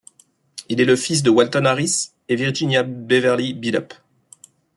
Il est le fils de Walton Harris et Virginia Beverly Billup.